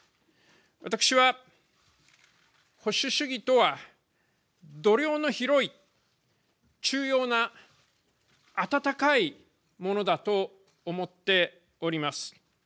私は保守主義とは度量の広い中庸な温かいものだと思っております。